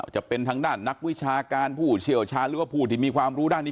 จะเป็นทางด้านนักวิชาการผู้เชี่ยวชาญหรือว่าผู้ที่มีความรู้ด้านนี้